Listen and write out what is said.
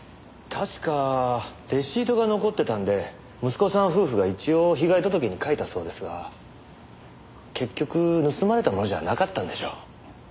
確かレシートが残ってたんで息子さん夫婦が一応被害届に書いたそうですが結局盗まれたものじゃなかったんでしょう。